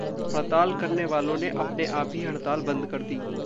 हड़ताल करने वालों ने अपने-आप ही हड़ताल बंद कर दी।